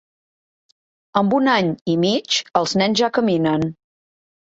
Amb un any i mig, els nens ja caminen.